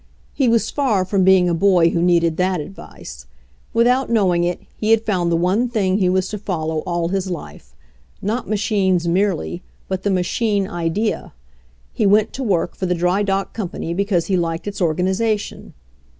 He was far from being a boy who needed that advice. Without knowing it, he had found the one thing he was to follow all his life — not ma chines merely, but the machine idea. He went to work for the drydock company because he liked its organization.